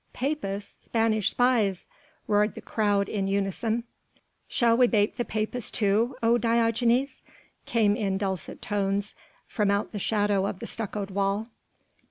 "Papists! Spanish spies!" roared the crowd in unison. "Shall we bait the Papists too, O Diogenes?" came in dulcet tones from out the shadow of the stuccoed wall.